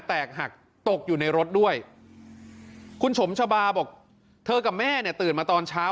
แตกหักตกอยู่ในรถด้วยคุณสมชบาบอกเธอกับแม่เนี่ยตื่นมาตอนเช้า